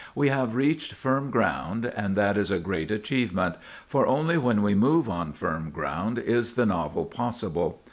We have reached firm ground, and that is a great achievement; for only when we move on firm ground is the novel possible.